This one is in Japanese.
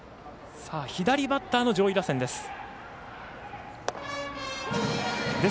左バッターの上位打線です。